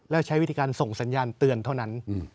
แล้วใช้วิธีการส่งสัญญาณเตือนเท่านั้น